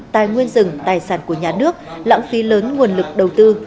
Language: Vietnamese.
tài nguyên rừng tài sản của nhà nước lãng phí lớn nguồn lực đầu tư